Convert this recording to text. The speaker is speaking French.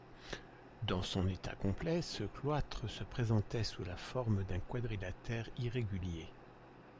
Dans son état complet, ce cloître se présentait sous la forme d’un quadrilatère irrégulier.